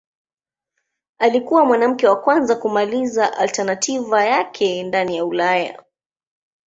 Alikuwa mwanamke wa kwanza kumaliza alternativa yake ndani ya Ulaya.